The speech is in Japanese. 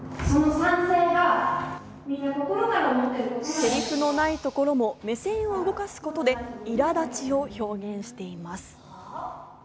セリフのないところも目線を動かすことで苛立ちを表現しています。